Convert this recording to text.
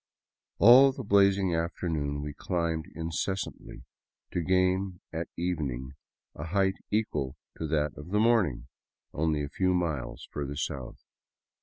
All the blazing after noon we climbed incessantly, to gain at evening a height equal to that of the morning, only a few miles further south.